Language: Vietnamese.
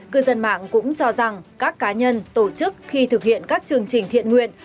cư dân mạng cũng cho rằng các cá nhân tổ chức khi thực hiện các chương trình thiện nguyện